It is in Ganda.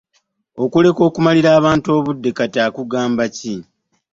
Okuleka okumalira abantu obudde kati atugamba ki?